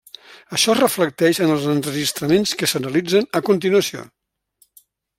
Això es reflecteix en els enregistraments que s'analitzen a continuació.